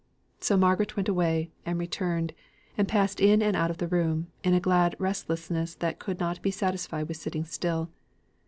So Margaret went away; and returned; and passed in and out of the room, in a glad restlessness that could not be satisfied with sitting still.